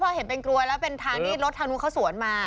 พอเห็นเป็นกลวยแล้วเป็นทางที่รถทางนู้นเขาสวนมา